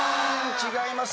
違います。